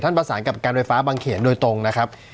ประสานกับการไฟฟ้าบางเขนโดยตรงนะครับ